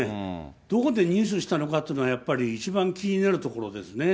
どこで入手したのかというのは、やっぱり一番気になるところです